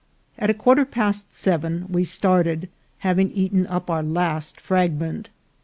At a quar ter past seven we started, having eaten up our last frag ment.